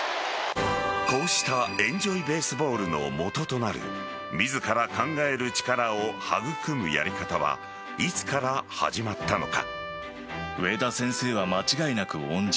こうしたエンジョイ・ベースボールのもととなる自ら考える力を育むやり方はいつから始まったのか。